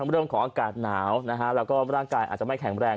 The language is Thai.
เรื่องของอากาศหนาวแล้วก็ร่างกายอาจจะไม่แข็งแรง